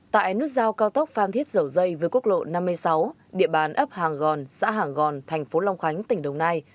tại nút giao cao tốc phan thiết dầu dây với quốc lộ năm mươi sáu địa bàn ấp hàng gòn xã hàng gòn thành phố long khánh tỉnh đồng nai